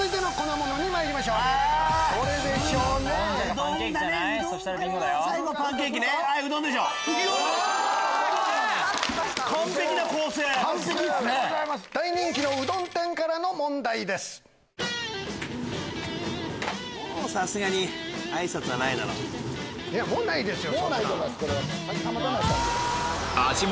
もうないですよ。